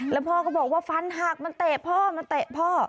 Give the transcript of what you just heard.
แล้วพ่อก็บอกว่าฟันหักมันเตะพ่อมันเตะพ่อ